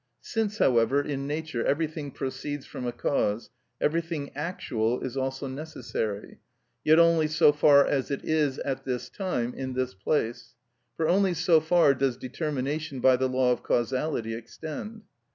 Since, however, in nature everything proceeds from a cause, everything actual is also necessary, yet only so far as it is at this time, in this place; for only so far does determination by the law of causality extend.